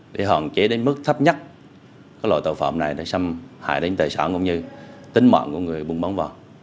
để hạn chế đến mức thấp nhất loại tàu phạm này để xâm hại đến tài sản cũng như tính mạng của người bùng bóng vàng